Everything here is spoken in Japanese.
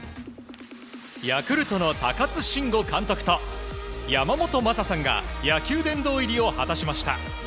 ヤクルトの高津臣吾監督と山本昌さんが野球殿堂入りを果たしました。